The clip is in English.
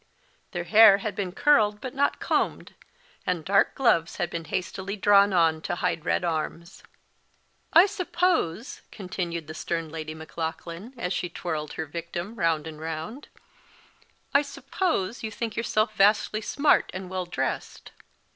Their hair had been curled, but not combed, and dark gloves had been hastily drawn on to hide red arms. "I suppose," continued the stern Lady Maclaughlan, as she twirled her victim round and round; "I suppose you think yourself vastly smart and well dressed.